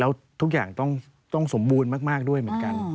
แล้วทุกอย่างต้องสมบูรณ์มากด้วยเหมือนกัน